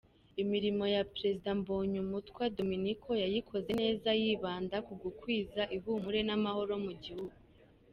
Imirimo ya Perezida Mbonyumutwa Dominiko yayikoze neza, yibanda kugukwiza ihumure n’amahoro mu gihugu.